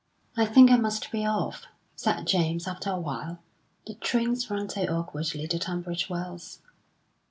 "I think I must be off," said James, after a while; "the trains run so awkwardly to Tunbridge Wells."